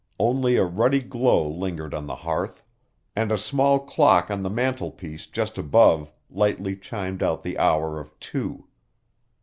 Only a ruddy glow lingered on the hearth, and a small clock on the mantelpiece just above lightly chimed out the hour of two.